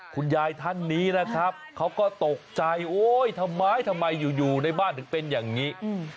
คุณยายท่านนี้นะครับเขาก็ตกใจโอ๊ยทำไมทำไมอยู่ในบ้านถึงเป็นอย่างนี้